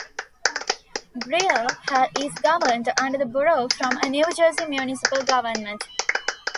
Brielle is governed under the Borough form of New Jersey municipal government.